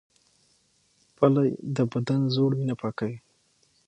پلی د بدن زوړ وینه پاکوي